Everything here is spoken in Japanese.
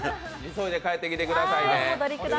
急いで帰ってきてくださいね。